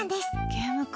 ゲームか。